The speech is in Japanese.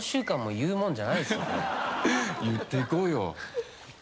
言っていこうよ。